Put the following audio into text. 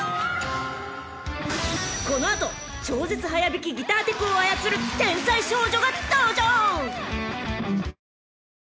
［この後超絶速弾きギターテクを操る天才少女が登場］